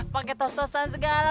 pakai tos tosan segala